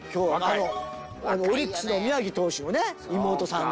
オリックスの宮城投手のね妹さんで。